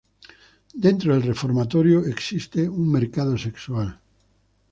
Dentro del reformatorio, existe un mercado sexual.